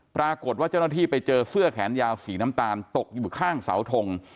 ปรากฏว่าเจ้าหน้าที่ไปเจอเสื้อแขนยาวสีน้ำตาลตกอยู่ข้างเสาทง